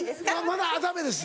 まだダメです